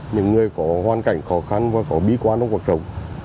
những người có hoàn cảnh khó khăn có bí quan hoặc có trọng